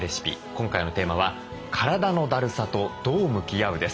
今回のテーマは「体のだるさとどう向き合う？」です。